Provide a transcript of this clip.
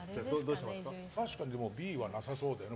確かにＢはなさそうだよね。